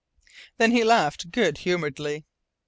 Then he laughed good humouredly.